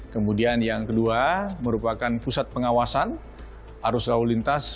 kemudian yang kedua merupakan pusat pengawasan arus lalu lintas